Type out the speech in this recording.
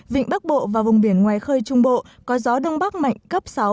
vịnh bắc bộ và vùng biển ngoài khơi trung bộ có gió đông bắc mạnh cấp sáu